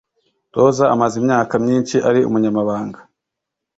Rosa amaze imyaka myinshi ari umunyamabanga.